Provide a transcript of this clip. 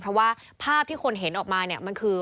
เพราะว่าภาพที่คนเห็นออกมาเนี่ยมันคือ